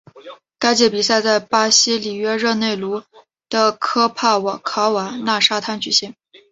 该届比赛在巴西里约热内卢的科帕卡瓦纳沙滩举行。